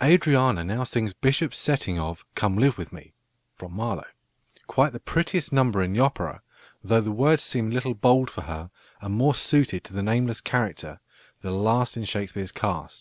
Adriana now sings Bishop's setting of "Come live with me" (Marlowe), quite the prettiest number in the opera, though the words seem a little bold for her, and more suited to the nameless character, the last in Shakespeare's cast.